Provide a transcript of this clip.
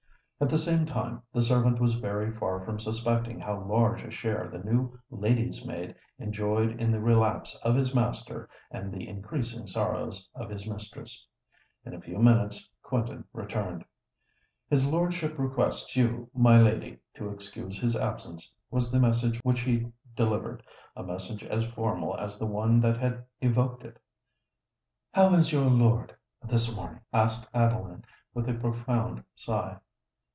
At the same time, the servant was very far from suspecting how large a share the new lady's maid enjoyed in the relapse of his master and the increasing sorrows of his mistress. In a few minutes Quentin returned. "His lordship requests you, my lady, to excuse his absence," was the message which he delivered—a message as formal as the one that had evoked it. "How is your lord this morning?" asked Adeline, with a profound sigh.